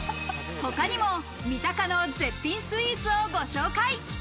他にも三鷹の絶品スイーツをご紹介。